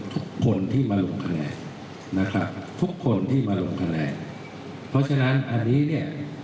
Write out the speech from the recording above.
ทุกคนที่มาลงคะแนนนะครับทุกคนที่มาลงคะแนนเพราะฉะนั้นอันนี้เนี่ย